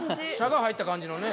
紗が入った感じのね。